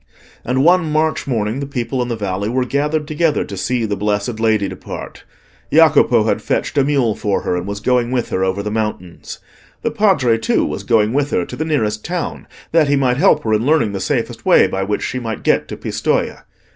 And one March morning the people in the valley were gathered together to see the blessed Lady depart. Jacopo had fetched a mule for her, and was going with her over the mountains. The Padre, too, was going with her to the nearest town, that he might help her in learning the safest way by which she might get to Pistoja.